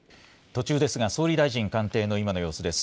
途中ですが、総理大臣官邸の今の様子です。